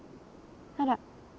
あら。